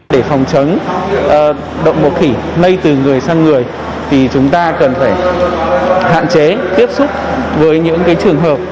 để phòng chấn đậu mùa khỉ lây từ người sang người thì chúng ta cần phải hạn chế tiếp xúc với những trường hợp